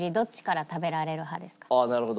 ああなるほど。